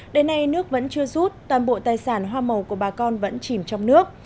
đến nay nước vẫn chưa rút toàn bộ tài sản hoa màu của bà con vẫn chìm trong nước